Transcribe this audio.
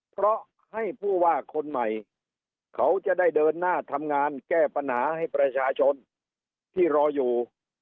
เพราะให้ผู้ว่าคนใหม่เขาจะได้เดินหน้าทำงานแก้ปัญหาให้ประชาชนที่รออยู่